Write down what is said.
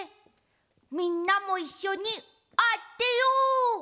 みんなもいっしょにあてよう！